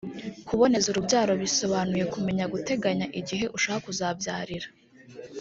kuboneza urubyaro bisobanuye kumenya guteganya igihe ushaka kuzabyarira